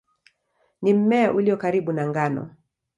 Ni mmea ulio karibu na ngano.